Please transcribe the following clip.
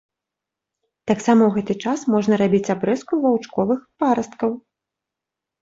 Таксама ў гэты час можна рабіць абрэзку ваўчковых парасткаў.